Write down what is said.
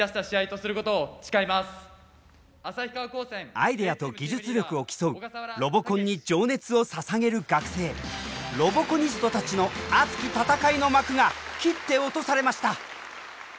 アイデアと技術力を競う「ロボコン」に情熱をささげる学生ロボコニストたちの熱き戦いの幕が切って落とされました。